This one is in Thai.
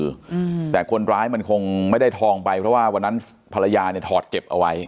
อืมแต่คนร้ายมันคงไม่ได้ทองไปเพราะว่าวันนั้นภรรยาเนี่ยถอดเก็บเอาไว้